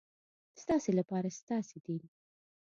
ستاسې لپاره ستاسې دین.